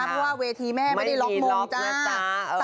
เพราะว่าเวทีแม่ไม่ได้ล็อกมงจ้า